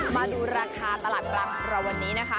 มาดูราคาตลาดกลางของเราวันนี้นะคะ